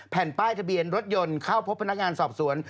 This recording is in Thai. แผ่นป้ายทะเบียนรถยนต์เข้าพบพนักงานสอบสวน